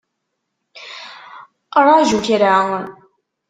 Ṛaju kra.